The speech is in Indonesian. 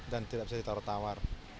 dan tidak bisa ditawar tawar